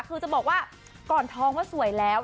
คือจะบอกว่าก่อนท้องว่าสวยแล้ว